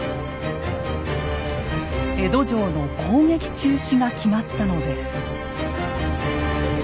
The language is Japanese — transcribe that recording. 江戸城の攻撃中止が決まったのです。